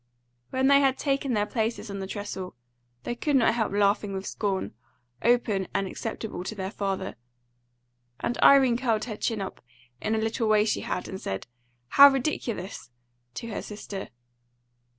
When they had taken their places on their trestle, they could not help laughing with scorn, open and acceptable to their father; and Irene curled her chin up, in a little way she had, and said, "How ridiculous!" to her sister.